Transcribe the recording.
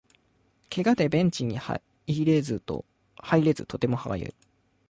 ケガでベンチにも入れずとても歯がゆい